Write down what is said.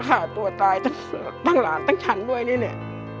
ฆ่าตัวตายตั้งหลานตั้งฉันด้วยนี่แหละ